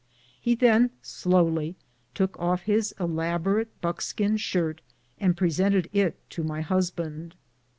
He then slowly took off his elaborate buckskin shirt and presented it to my husband.